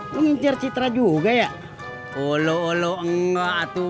mengincar citra juga ya